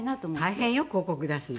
大変よ広告出すの。